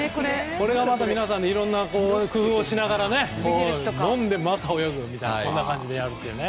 これがまた皆さんいろんな工夫をしながら飲んで、また泳ぐみたいな感じでやるというね。